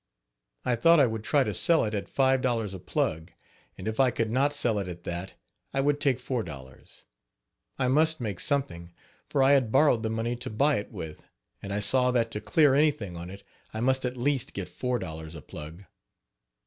I thought I would try to sell it at five dollars a plug, and if I could not sell it at that I would take four dollars. I must make something, for I had borrowed the money to buy it with; and I saw that to clear anything on it, I must at least get four dollars a plug.